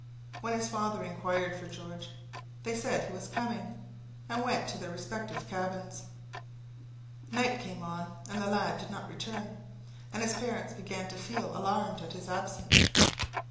When his father inquired for George, they said he was coming, and went to their respective cabins. "Night came on and the lad did not return, and his parents began to feel alarmed at his absence. Mr.